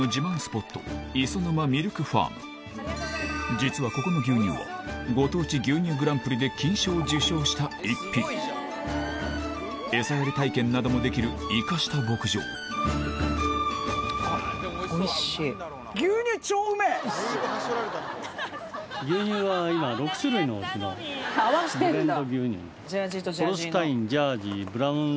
実はここの牛乳はご当地牛乳グランプリで金賞を受賞した逸品エサやり体験などもできるイカした牧場合わせてんだ！